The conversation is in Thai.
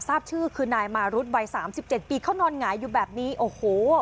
ทราบชื่อคือนายมารุดวัยสามสิบเจ็ดปีเขานอนหงายอยู่แบบนี้โอ้โห